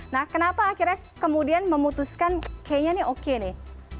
nah kenapa akhirnya kemudian memutuskan kayaknya nih oke nih